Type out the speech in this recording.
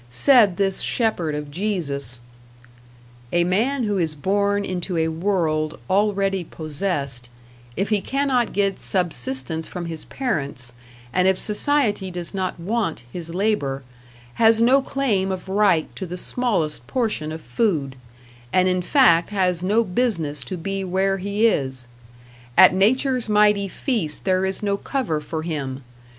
Said this shepherd of Jesus: A man who is born into a world already possessed, if he cannot get subsistence from his parents, and if society does not Want his labor, has no claim of right to the smallest portion of food, and in fact has no business to be where he is. At Nature's mighty feast there is no cover for him.